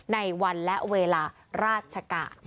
ในวันและเวลาราชการ